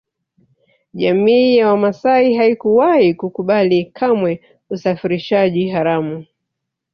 Jamii ya Wamasai haikuwahi kukubali kamwe usafirishaji haramu